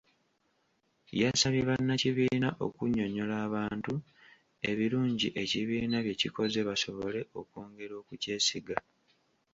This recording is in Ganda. Yasabye bannakibiina okunnyonnyola abantu ebirungi ekibiina bye kikoze basobole okwongera okukyesiga.